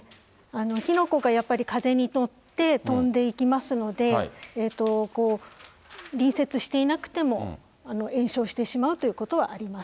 火の粉がやっぱり風に乗って飛んでいきますので、隣接していなくても、延焼してしまうということはあります。